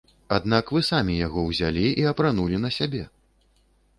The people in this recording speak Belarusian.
Аднак вы самі яго ўзялі і апранулі на сябе!